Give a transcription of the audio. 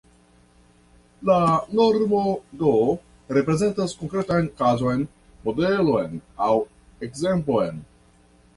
La normo, do, reprezentas konkretan kazon, modelon aŭ ekzemplon.